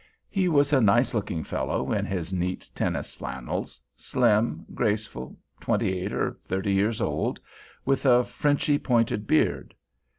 He was a fine looking fellow in his neat tennis flannels, slim, graceful, twenty eight or thirty years old, with a Frenchy pointed beard.